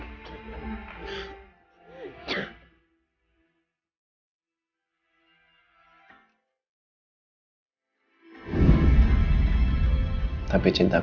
dia mencari racun yang lebih baik